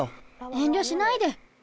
遠りょしないで。